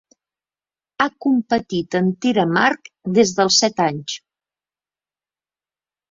Ha competit en tir amb arc des dels set anys.